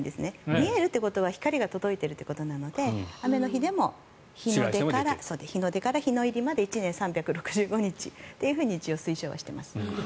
見えるというのは光が届いているということなので雨の日でも日の出から日の入りまで１年３６５日というふうに推奨はしています。